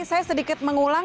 saya sedikit mengulang